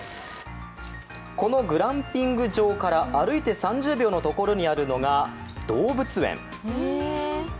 このグランピング場から歩いて３０秒のところにあるのが動物園。